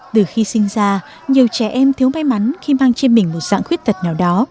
từ khi sinh ra nhiều trẻ em thiếu may mắn khi mang trên mình một dạng khuyết tật nào đó